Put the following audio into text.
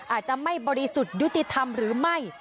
อาจจะไม่บริสุทธิ์ยุติธรรมหรือไม่